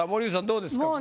どうですか？